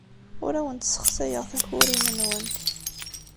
Ur awent-ssexsayeɣ takurin-nwent.